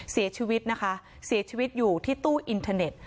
เสียชีวิตนะคะเสียชีวิตอยู่ที่ตู้อินเทอร์เน็ต